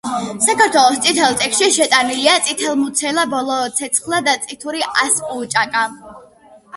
საქართველოს „წითელ წიგნში“ შეტანილია წითელმუცელა ბოლოცეცხლა და წითური ასპუჭაკა.